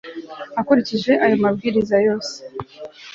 akurikije ayo mabwiriza yose